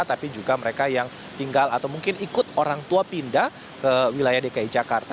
tapi juga mereka yang tinggal atau mungkin ikut orang tua pindah ke wilayah dki jakarta